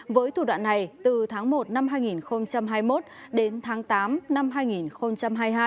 với thủ đoạn này từ tháng một năm hai nghìn hai mươi một đến tháng tám năm hai nghìn hai mươi hai